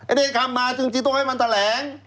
อันนี้ทำมาจริงต้องให้มันแถลง